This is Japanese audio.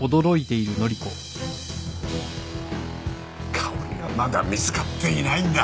香織がまだ見つかっていないんだ。